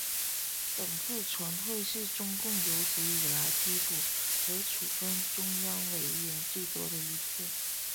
本次全会是中共有史以来递补和处分中央委员最多的一次。